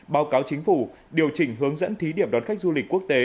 báo cáo chính phủ điều chỉnh hướng dẫn thí điểm đón khách du lịch quốc tế